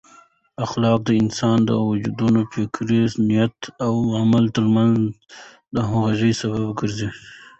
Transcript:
اخلاق د انسان د وجدان، فکر، نیت او عمل ترمنځ د همغږۍ سبب ګرځي.